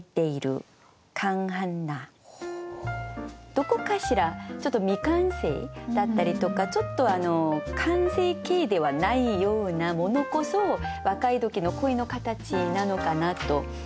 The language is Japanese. どこかしらちょっと未完成だったりとかちょっと完成形ではないようなものこそ若い時の恋の形なのかなと思って。